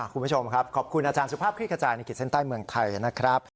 คุณผู้ชมครับขอบคุณอาจารย์สุภาพคลิกกระจายในขีดเส้นใต้เมืองไทยนะครับ